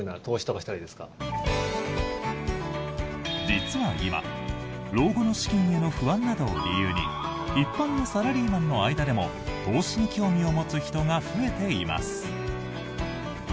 実は今老後の資金への不安などを理由に一般のサラリーマンの間でも投資に興味を持つ人が増えています。